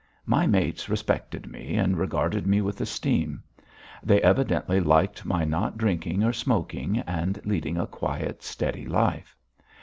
My mates respected me and regarded me with esteem; they evidently liked my not drinking or smoking, and leading a quiet, steady life.